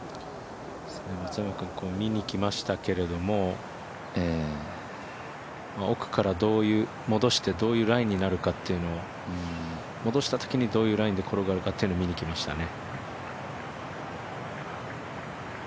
松山君、見に行きましたけれども、奥から戻してどういうラインになるか、戻してきたときにどういうラインで転がるか見に来ましたね。